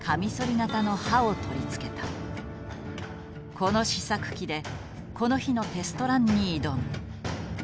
この試作機でこの日のテストランに挑む。